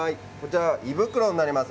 胃袋になります。